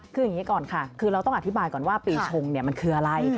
คืออย่างนี้ก่อนค่ะคือเราต้องอธิบายก่อนว่าปีชงมันคืออะไร